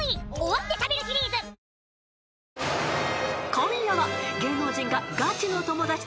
［今夜は］